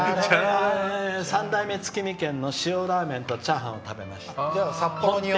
三代目月見軒の塩ラーメンとチャーハンを食べました。